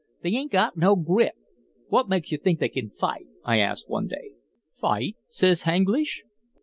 "'They 'ain't got no grit. What makes you think they can fight?' I asked one day. "'Fight?' says H'Anglish.